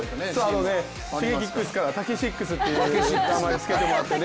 Ｓｈｉｇｅｋｉｘから、Ｔａｋｅｓｈｉｘっていう名前をつけてもらってね。